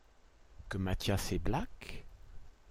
Que Mathias est black ?